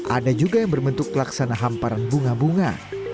ada juga yang berbentuk pelaksana hamparan bunga bunga